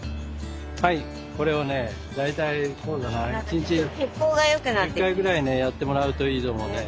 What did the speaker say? これをね大体１日１０回ぐらいねやってもらうといいと思うんで。